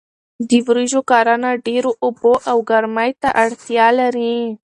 د وریژو کرنه ډیرو اوبو او ګرمۍ ته اړتیا لري.